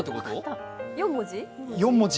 ４文字？